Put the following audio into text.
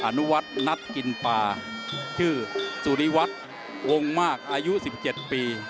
อาณวัทนัทกินป่าคือสุริวัตรวงมากอายุสิบเจ็ดปี